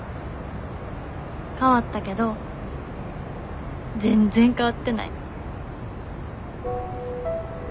変わったけど全然変わってない。